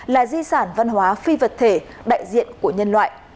là di sản văn hóa phi vật thể đại diện của nhân loại